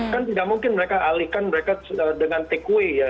kan tidak mungkin mereka alihkan mereka dengan takeaway ya